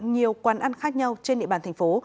nhiều quán ăn khác nhau trên địa bàn thành phố